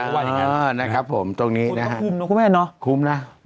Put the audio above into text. ว่าไงครับคุณมันคุ้มนะ